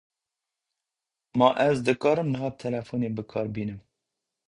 Ma ez dikarim niha têlefonê bikar bînim